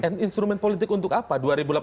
dan instrumen politik untuk apa